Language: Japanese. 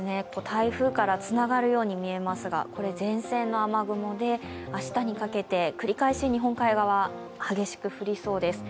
台風からつながるように見えますが、これ前線の雨雲で明日にかけて繰り返し日本海側、激しく降りそうです。